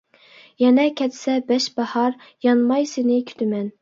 يەنە كەتسە بەش باھار، يانماي سېنى كۈتىمەن.